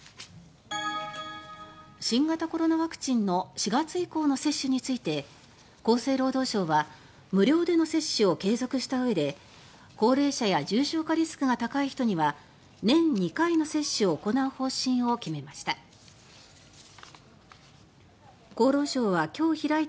新型コロナワクチンの４月以降の接種について厚生労働省は無料での接種を継続したうえで高齢者や重症化リスクが高い人には年２回の接種を行う方針を決めました。